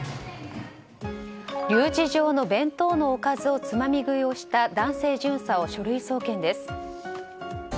留置場の弁当のおかずのつまみ食いをした男性巡査を書類送検です。